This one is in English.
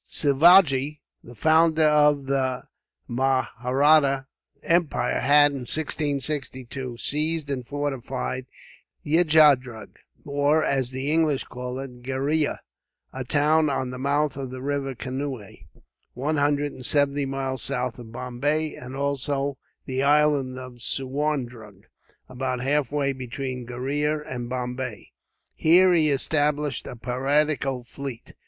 Sivagi, the founder of the Mahratta Empire, had, in 1662, seized and fortified Yijiyadrug; or, as the English call it, Gheriah, a town at the mouth of the river Kanui, one hundred and seventy miles south of Bombay; and also the island of Suwarndrug, about half way between Gheriah and Bombay. Here he established a piratical fleet.